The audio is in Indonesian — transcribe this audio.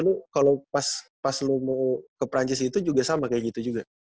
lu kalau pas lu mau ke prancis itu juga sama kayak gitu juga